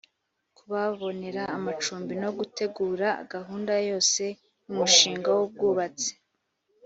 kubabonera amacumbi no gutegura gahunda yose y umushinga w ubwubatsi